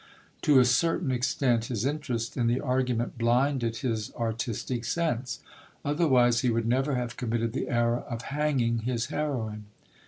To a certain extent, his interest in the argument blinded his artistic sense; otherwise he would never have committed the error of hanging his heroine.